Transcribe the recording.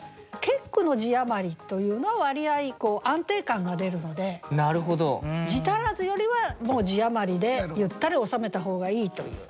結句の字余りというのは割合安定感が出るので字足らずよりはもう字余りでゆったり収めた方がいいという。